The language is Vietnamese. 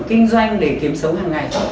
kinh doanh để kiếm sống hằng ngày